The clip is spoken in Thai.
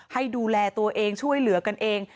ให้ดูแลตัวเองช่วยเหลือกันเอง